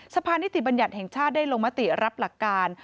สภานิติบัญญัติแห่งชาติได้ลงมติรับหลักการ